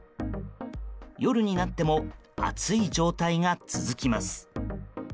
夜になっても暑い状態が続きます。